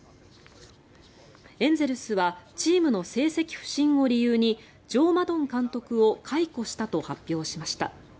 エンゼルスはチームの成績不振を理由にジョー・マドン監督を解雇したと発表しました。